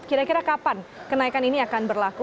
kira kira kapan kenaikan ini akan berlaku